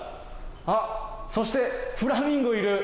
あっ、そしてフラミンゴいる。